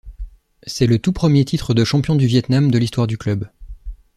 C'est le tout premier titre de champion de Viêt Nam de l'histoire du club.